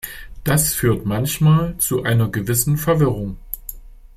Das führt manchmal zu einer gewissen Verwirrung.